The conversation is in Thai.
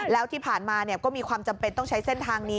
แล้วที่ผ่านมาก็มีความจำเป็นต้องใช้เส้นทางนี้